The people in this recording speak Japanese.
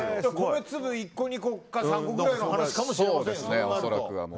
米粒１個、２個か３個ぐらいの話かもしれない。